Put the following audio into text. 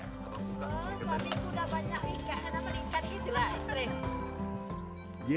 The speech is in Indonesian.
oh suamiku sudah banyak ikan kenapa ikan itu lah istrinya